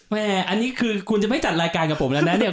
อันนี้คือคุณจะไม่จัดรายการกับผมแล้วนะเนี่ย